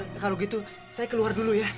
kalau gitu saya keluar dulu ya